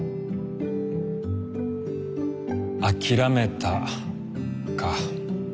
諦めたか。